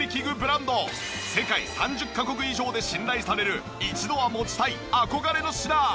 世界３０カ国以上で信頼される一度は持ちたい憧れの品。